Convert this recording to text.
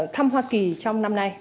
thăm hoa kỳ trong năm nay